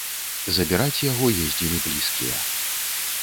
Забіраць яго ездзілі блізкія.